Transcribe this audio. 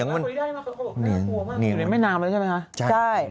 อยู่ในแม่นำเลยใช่ไหมคะ